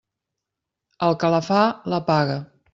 El que la fa, la paga.